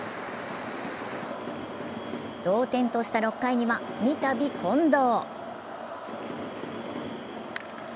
同点とした６回には三度、近藤！